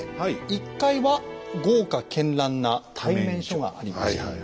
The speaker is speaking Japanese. １階は豪華絢爛な対面所がありました。